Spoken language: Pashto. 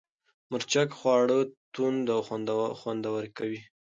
مرچک خواړه توند او خوندور کوي.